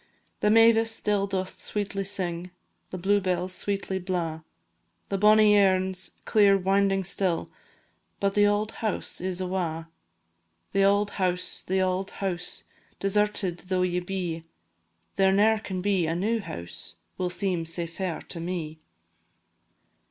The mavis still doth sweetly sing, The blue bells sweetly blaw, The bonnie Earn 's clear winding still, But the auld house is awa'. The auld house, the auld house, Deserted though ye be, There ne'er can be a new house, Will seem sae fair to me.